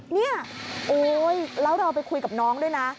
เนี่ยโอ๊ยแล้วเราไปคุยกับน้องด้วยนะ